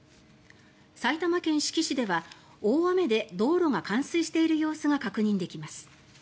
埼玉県志木市では大雨で道路が冠水している様子が確認できます。